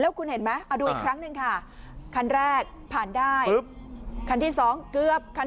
คุณเห็นไหมเอาดูอีกครั้งหนึ่งค่ะคันแรกผ่านได้คันที่สองเกือบคัน